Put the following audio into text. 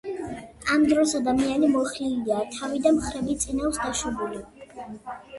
ამ დროს ადამიანი მოხრილია, თავი და მხრები წინ აქვს დაშვებული.